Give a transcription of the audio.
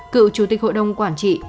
cựu chủ tịch hội đồng quản trị